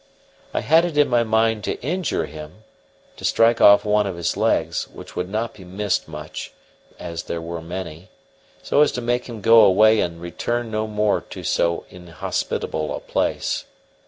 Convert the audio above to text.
I had it in my mind to injure him to strike off one of his legs, which would not be missed much, as they were many so as to make him go away and return no more to so inhospitable a place.